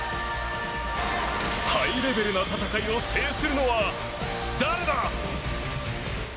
ハイレベルな戦いを制するのは誰だ？